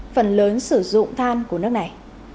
phần lớn sử dụng than của nước này